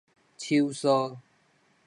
手挲